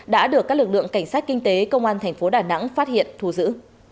đã được các lực lượng cảnh sát kinh tế công an thành phố đà nẵng phát hiện thu giữ